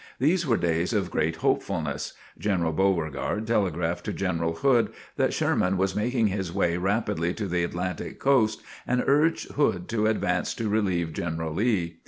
These were days of great hopefulness. General Beauregard telegraphed to General Hood that Sherman was making his way rapidly to the Atlantic coast and urged Hood to advance to relieve General Lee.